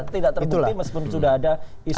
tidak terbukti meskipun sudah ada isu